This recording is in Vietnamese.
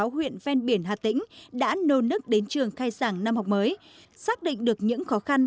sáu huyện ven biển hà tĩnh đã nôn nức đến trường khai sản năm học mới xác định được những khó khăn